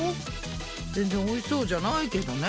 全然おいしそうじゃないけどね。